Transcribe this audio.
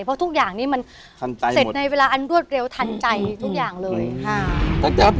เพราะทุกอย่างนี้มันเสร็จในเวลาอันรวดเร็วทันใจทุกอย่างเลยอืมอืมอืมอืมอืม